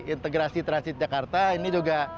integrasi transit jakarta ini juga